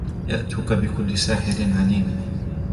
يَأْتُوكَ بِكُلِّ سَحَّارٍ عَلِيمٍ